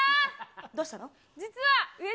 どうしたの？